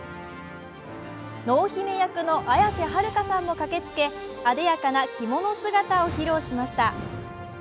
濃姫役の綾瀬はるかさんも駆けつけあでやかな着物姿を披露しました。